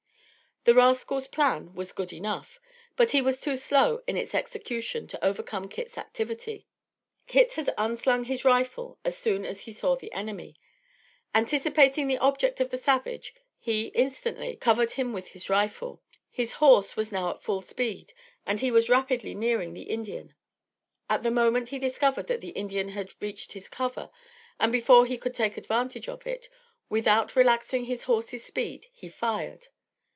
The rascal's plan was good enough, but he was too slow in its execution to overcome Kit's activity. Kit had unslung his rifle as soon as he saw his enemy. Anticipating the object of the savage, he, instantly, covered him with his rifle. His horse was now at full speed and he was rapidly nearing the Indian. At the moment he discovered that the Indian had reached his cover and before he could take advantage of it, without relaxing his horse's speed, he fired.